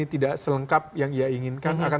ini tidak selengkap yang ia inginkan